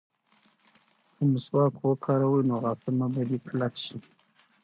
که مسواک وکاروې نو غاښونه به دې کلک شي.